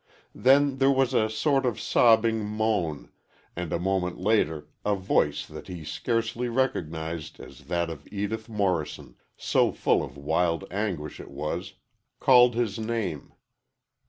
Then there was a sort of sobbing moan, and a moment later a voice that he scarcely recognized as that of Edith Morrison, so full of wild anguish it was, called his name.